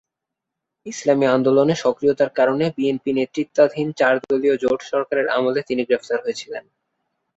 ইসলামি আন্দোলনে সক্রিয়তার কারণে বিএনপি নেতৃত্বাধীন চারদলীয় জোট সরকারের আমলে তিনি গ্রেফতার হয়েছিলেন।